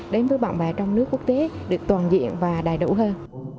đến với bạn bè trong nước quốc tế được toàn diện và đầy đủ hơn